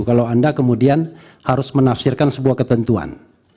kalau anda kemudian harus menafsirkan sebuah ketentuan